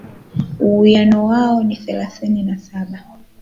uwiano wao ni thelathini na saba